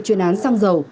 chuyên án xăng dầu